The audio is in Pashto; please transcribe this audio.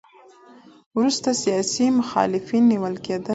وروسته سیاسي مخالفین نیول کېدل.